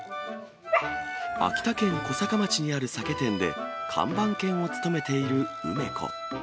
秋田県小坂町にある酒店で看板犬を務めている梅子。